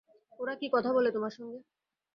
ওরা কী কথা বলে তোমার সঙ্গে?